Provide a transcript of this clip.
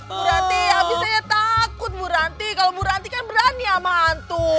bu ranti abisnya takut bu ranti kalau bu ranti kan berani sama hantu